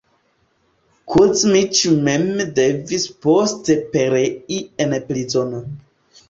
Kuzmiĉ mem devis poste perei en prizono.